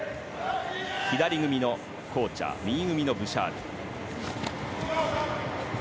左組みのコーチャー右組みのブシャール。